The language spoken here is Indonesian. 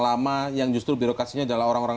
lama yang justru birokrasinya adalah orang orang